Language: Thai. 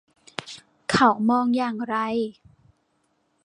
เขามองอย่างไร